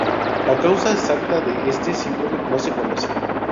La causa exacta de este síndrome no se conoce.